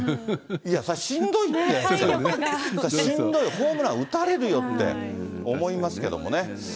そりゃしんどいって、しんどい、ホームラン打たれるよって思いますけどもね。